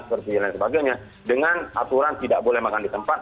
seperti lain sebagainya dengan aturan tidak boleh makan di tempat